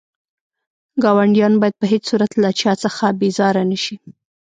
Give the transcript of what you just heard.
ګاونډيان بايد په هيڅ صورت له چا څخه بيزاره نه شئ.